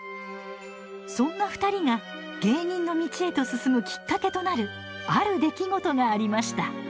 そんな２人が芸人の道へと進むきっかけとなるある出来事がありました。